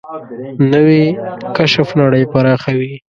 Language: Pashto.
نوې کشف نړۍ پراخوي